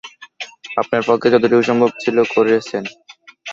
আপনার পক্ষে যতোটুকু সম্ভব ছিল করেছেন।